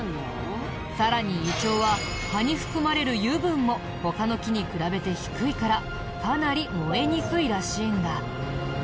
さらにイチョウは葉に含まれる油分も他の木に比べて低いからかなり燃えにくいらしいんだ。